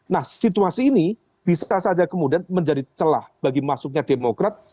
nah situasi ini bisa saja kemudian menjadi celah bagi masuknya demokrat